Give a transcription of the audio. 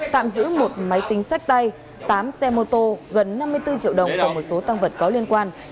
tạm giữ một máy tính sách tay tám xe mô tô gần năm mươi bốn triệu đồng và một số tăng vật có liên quan